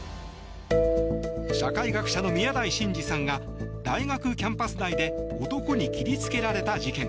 社会学者の宮台真司さんが大学キャンパス内で男に切りつけられた事件。